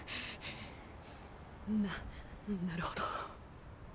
ななるほど。